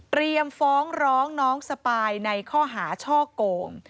ฟ้องร้องน้องสปายในข้อหาช่อโกง